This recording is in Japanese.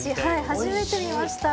初めて見ました。